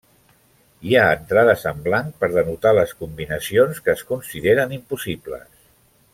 Hi ha entrades en blanc per denotar les combinacions que es consideren impossibles.